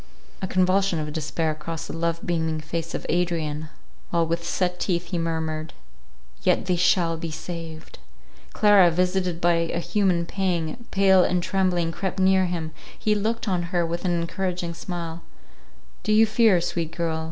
A convulsion of despair crossed the love beaming face of Adrian, while with set teeth he murmured, "Yet they shall be saved!" Clara, visited by an human pang, pale and trembling, crept near him—he looked on her with an encouraging smile—"Do you fear, sweet girl?